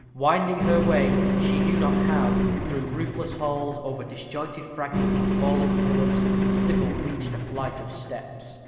Winding her way, she knew not how, through roofless halls, over disjointed fragments of fallen pillars, Sybil reached a flight of steps.